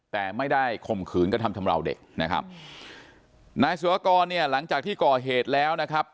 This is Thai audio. แต่ไม่ได้ข่มขืนกระทำชำราวเด็กนะครับนายสุรกรเนี่ยหลังจากที่ก่อเหตุแล้วนะครับ